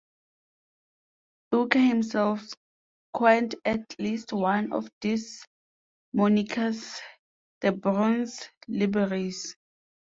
Booker himself coined at least one of these monikers-the Bronze Liberace.